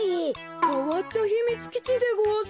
かわったひみつきちでごわす。